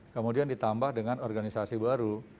kemudian ditambah dengan organisasi baru